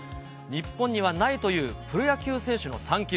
日本にはないという、プロ野球選手の産休。